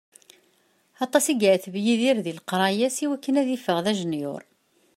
Aṭas i yeεteb Yidir di leqraya-s iwakken ad d-iffeɣ d ajenyur.